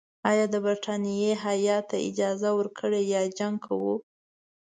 یا د برټانیې هیات ته اجازه ورکړئ یا جنګ کوو.